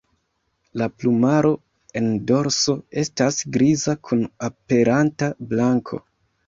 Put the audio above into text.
La plumaro en dorso estas griza kun aperanta blanko.